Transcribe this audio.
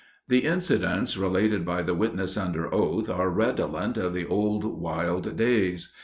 The incidents related by the witness under oath are redolent of the old wild days.